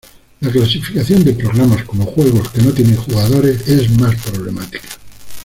La clasificación de programas como juegos que no tienen jugadores es más problemática.